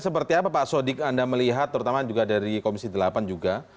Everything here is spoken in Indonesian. seperti apa pak sodik anda melihat terutama juga dari komisi delapan juga